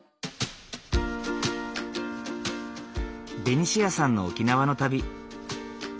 ベニシアさんの沖縄の旅。